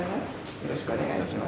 よろしくお願いします。